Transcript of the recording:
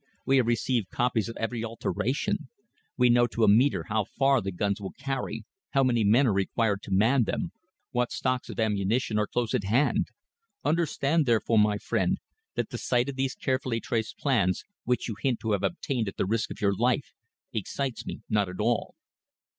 We have received copies of every alteration. We know to a metre how far the guns will carry, how many men are required to man them, what stocks of ammunition are close at hand. Understand, therefore, my friend, that the sight of these carefully traced plans, which you hint to have obtained at the risk of your life, excites me not at all."